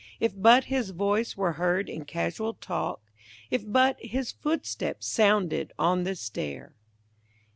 If but his voice were heard in casual talk. If but his footstep sounded on the stair!